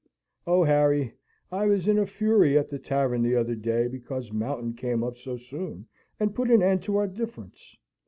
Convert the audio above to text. Oh, Harry! I was in a fury at the tavern the other day, because Mountain came up so soon, and put an end to our difference.